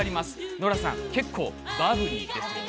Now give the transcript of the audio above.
ノラさん、バブリーですよね。